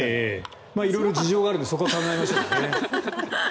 色々事情があるんでそこは考えましょうね。